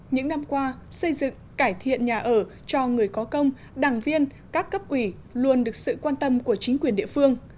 những năm qua xây dựng cải thiện nhà ở cho người có công đảng viên các cấp ủy luôn được sự quan tâm của chính quyền địa phương